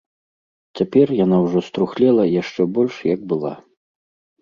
Цяпер яна ўжо струхлела яшчэ больш, як была.